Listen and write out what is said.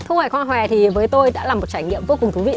thu hải hoa hòe thì với tôi đã là một trải nghiệm vô cùng thú vị